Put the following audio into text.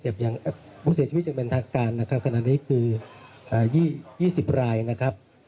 ผู้เสียชีวิตยังเป็นทางการนะครับขณะนี้คือ๒๐รายนะครับ